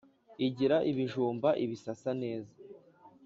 Igira ibijumba ibisasa neza: